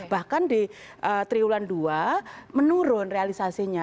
bahkan di triwulan dua menurun realisasinya